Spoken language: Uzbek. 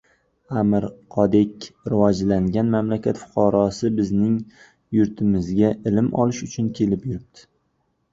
Amirqodek rivojlangan mamlakat fuqarosi bizning yurtimizga ilm olish uchun kelib yuribdi